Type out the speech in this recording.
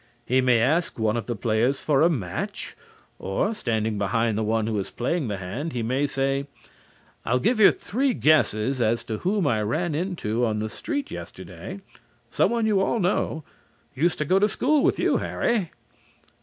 He may ask one of the players for a match, or, standing behind the one who is playing the hand, he may say: "I'll give you three guesses as to whom I ran into on the street yesterday. Someone you all know. Used to go to school with you, Harry